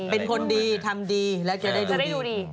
เป็นคนดีทำดีแล้วจะได้ดูดี